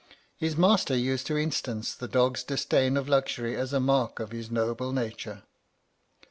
His master used to instance the dog's disdain of luxury as a mark of his noble nature.